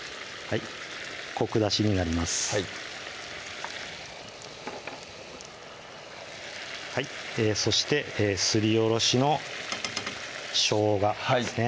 コク出しになりますそしてすりおろしのしょうがですね